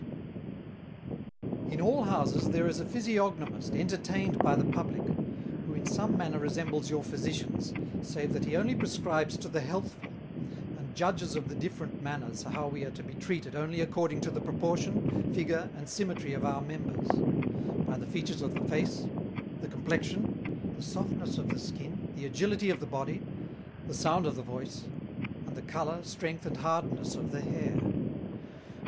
[Sidenote: The Physiognomist] "In all Houses there is a Physiognomist entertained by the Publick, who in some manner resembles your Physicians, save that he only prescribes to the Healthful, and judges of the different manners how we are to be Treated only according to the Proportion, Figure, and Symmetry of our Members; by the Features of the Face, the Complexion, the Softness of the Skin, the Agility of the Body, the Sound of the Voice, and the Colour, Strength, and Hardness of the Hair.